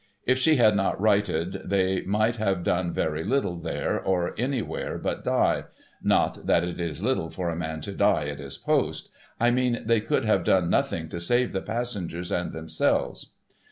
If she had not righted, they could have done very little there or anywhere but die — not that it is little for a man to die at his post — I mean they could have done nothing to save the passengers and themselves.